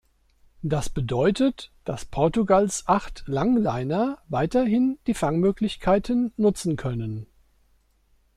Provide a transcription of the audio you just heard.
Das bedeutet, dass Portugals acht Langleiner weiterhin die Fangmöglichkeiten nutzen können.